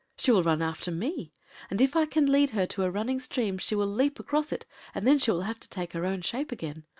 She will run after me, and if I can lead her to a running stream she will leap across it, and then she will have to take her own shape again.